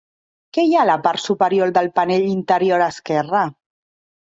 Què hi ha a la part superior del panell interior esquerre?